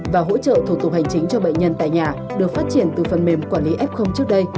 và hỗ trợ thủ tục hành chính cho bệnh nhân tại nhà được phát triển từ phần mềm quản lý f trước đây